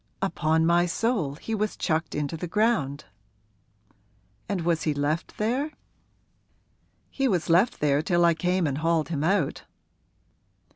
'Upon my soul he was chucked into the ground!' 'And was he left there?' 'He was left there till I came and hauled him out.'